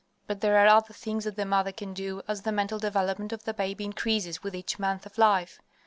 But there are other things that the mother can do as the mental development of the baby increases with each month of life.